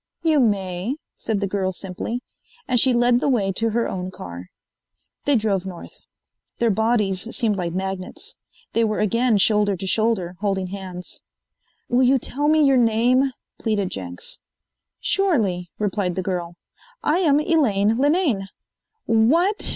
"You may," said the girl simply, and she led the way to her own car. They drove north. Their bodies seemed like magnets. They were again shoulder to shoulder, holding hands. "Will you tell me your name?" pleaded Jenks. "Surely," replied the girl. "I am Elaine Linane." "What?"